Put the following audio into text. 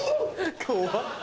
怖っ。